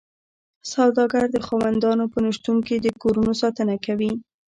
سوداګر د خاوندانو په نشتون کې د کورونو ساتنه کوي